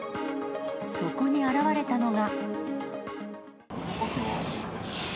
そこに現れたのが。